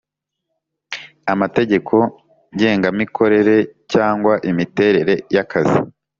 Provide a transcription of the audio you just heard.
amategeko ngengamikorere cyangwa imiterere y akazi